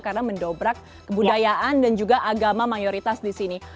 karena mendobrak kebudayaan dan juga agama mayoritas di sini